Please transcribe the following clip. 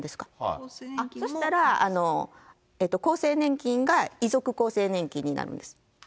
そしたら厚生年金が遺族厚生年金になるんです。